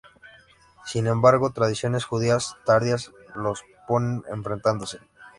Sin embargo, tradiciones judías tardías los ponen enfrentándose.